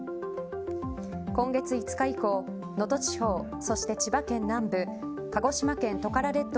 今月５日以降能登地方、そして千葉県南部鹿児島県トカラ列島